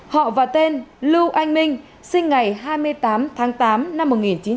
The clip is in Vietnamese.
họ và tên lưu anh minh sinh ngày hai mươi tám tháng tám năm một nghìn chín trăm bảy mươi